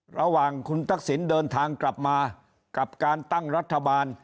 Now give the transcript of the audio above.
ระหว่างคุณทักษิณเดินทางกลับมากับการตั้งรัฐบาล